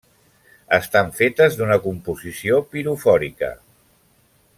Estan fetes d'una composició pirofòrica.